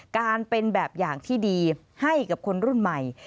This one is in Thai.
การเป็นแบบอย่างที่ดีให้กับคนรุ่นใหม่